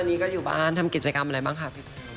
ตอนนี้ก็อยู่บ้านทำกิจกรรมอะไรบ้างค่ะพี่